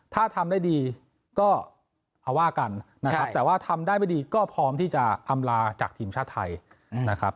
ถ้าทำได้ดีก็เอาว่ากันนะครับแต่ว่าทำได้ไม่ดีก็พร้อมที่จะอำลาจากทีมชาติไทยนะครับ